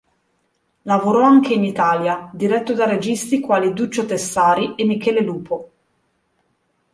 Lavorò anche in Italia, diretto da registi quali Duccio Tessari e Michele Lupo.